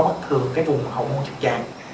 bất thường cái vùng hậu môn chất trạng